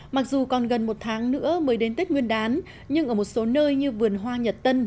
mặc dù còn gần một tháng nữa mới đến tết nguyên đán nhưng ở một số nơi như vườn hoa nhật tân